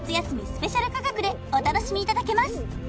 スペシャル価格でお楽しみいただけます